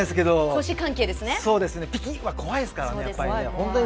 ぴきっ！は怖いですからね。